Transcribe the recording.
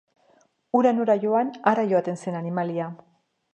Hura nora joan, hara joaten zen animalia.